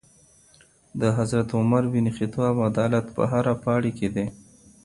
د حضرت عمر بن خطاب عدالت په هره پاڼې کي دی.